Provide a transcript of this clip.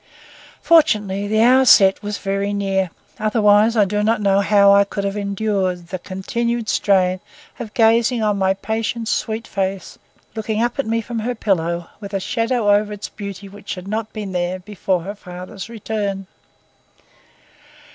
Fortunately, the hour set was very near. Otherwise I do not know how I could have endured the continued strain of gazing on my patient's sweet face, looking up at me from her pillow, with a shadow over its beauty which had not been there before her father's return.